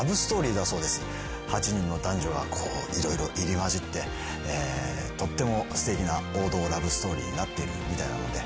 ８人の男女が色々入り交じってとってもすてきな王道ラブストーリーになっているみたいなので「